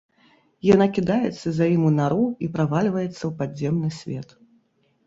Яна кідаецца за ім у нару і правальваецца ў падземны свет.